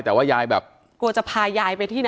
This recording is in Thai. แต่ว่ายายแบบกลัวจะพายายไปที่ไหน